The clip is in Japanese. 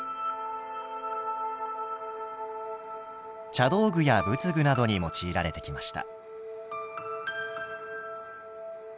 茶道具や仏具などに用いられてきました。